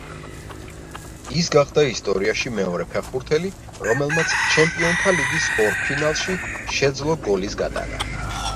ის გახდა ისტორიაში მეორე ფეხბურთელი, რომელმაც ჩემპიონთა ლიგის ორ ფინალში შეძლო გოლის გატანა.